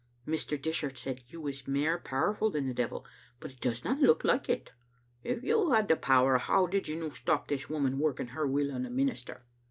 Mr. Dishart said You was mair powerful than the devil, but it doesna look like it. If You had the power, how did You no stop this woman working her will on the minister?